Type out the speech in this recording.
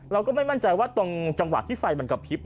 เราก็ไม่มั่นใจว่าตรงจังหวะที่ไฟมันกระพริบ